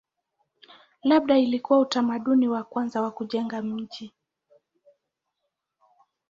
Labda ilikuwa utamaduni wa kwanza wa kujenga miji.